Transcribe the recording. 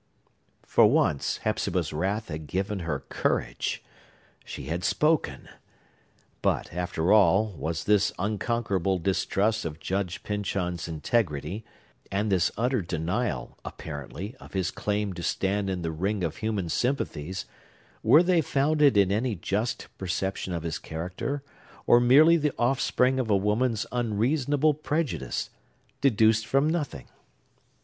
For once, Hepzibah's wrath had given her courage. She had spoken. But, after all, was this unconquerable distrust of Judge Pyncheon's integrity, and this utter denial, apparently, of his claim to stand in the ring of human sympathies,—were they founded in any just perception of his character, or merely the offspring of a woman's unreasonable prejudice, deduced from nothing?